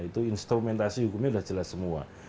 itu instrumentasi hukumnya sudah jelas semua